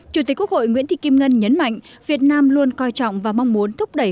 chủ tịch quốc hội nguyễn thị kim ngân nhấn mạnh việt nam luôn coi trọng và mong muốn thúc đẩy